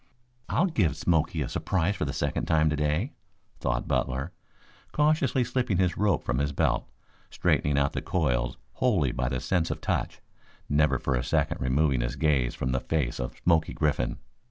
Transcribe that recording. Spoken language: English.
"I'll give Smoky a surprise for the second time today," thought Butler, cautiously slipping his rope from his belt, straightening out the coils wholly by the sense of touch, never for a second removing his gaze from the face of Smoky Griffin.